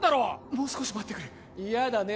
もう少し待ってくれイヤだね